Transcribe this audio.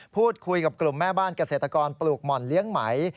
พูดคุยกับกลุ่มแม่บ้านเกษตรกรปลูกหม่อนเลี้ยงไหม